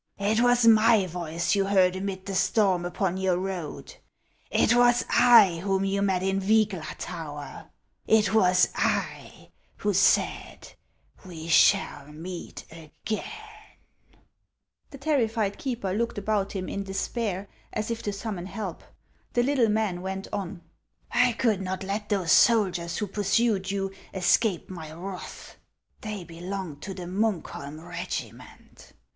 It was my voice you heard amid the storm upon your road ; it was I whom you met in Vygla tower ; it \vas I who said, ' We shall meet again !'' The terrified keeper looked about him in despair, as if to summon help. The little man went on : "I could not let those soldiers who pursued you, escape my wrath ; they belonged to the Muukholm regiment.